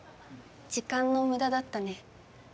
時間の無駄だったね。